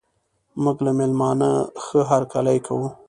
موږ له میلمانه ښه هرکلی کوو.